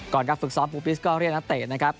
การฝึกซ้อมปูปิสก็เรียกนักเตะนะครับ